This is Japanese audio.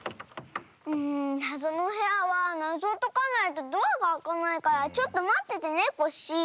なぞのおへやはなぞをとかないとドアがあかないからちょっとまっててねコッシー。